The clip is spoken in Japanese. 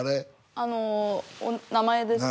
あの名前ですか？